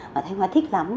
mà thanh hoa thích lắm